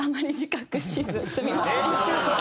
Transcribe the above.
すみません。